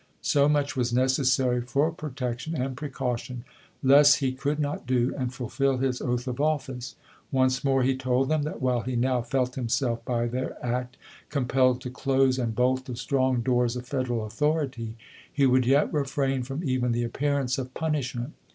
So much was necessary for protection and precau tion ; less he could not do and fulfill his oath of office. Once more he told them that while he now felt himself by their act compelled to close and bolt the strong doors of Federal authority, he would yet refrain from even the appearance of punishment.